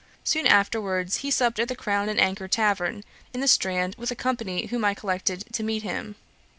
Soon afterwards, he supped at the Crown and Anchor tavern, in the Strand, with a company whom I collected to meet him.